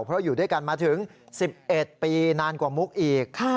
เพราะอยู่ด้วยกันมาถึง๑๑ปีนานกว่ามุกอีก